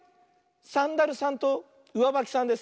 サンダルさんとうわばきさんです。